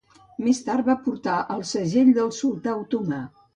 Més tard, va portar el segell del sultà otomà.